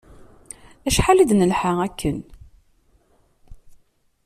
Acḥal i d-nelḥa akken.